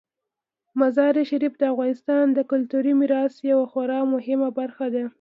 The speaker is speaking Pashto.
مزارشریف د افغانستان د کلتوري میراث یوه خورا مهمه برخه ده.